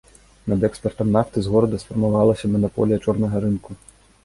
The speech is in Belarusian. Над экспартам нафты з горада сфармавалася манаполія чорнага рынку.